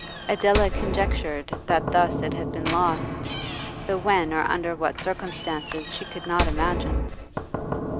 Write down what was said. Adela conjectured that thus it had been lost, though when or under what circumstances she could not imagine.